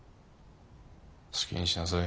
好きにしなさい。